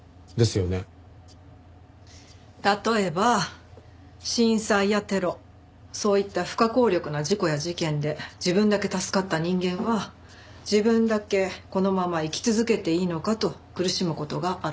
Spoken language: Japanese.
例えば震災やテロそういった不可抗力な事故や事件で自分だけ助かった人間は自分だけこのまま生き続けていいのかと苦しむ事がある。